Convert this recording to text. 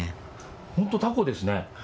本当、たこですね。